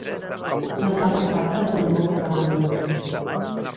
se'ls ha parlat de la llengua catalana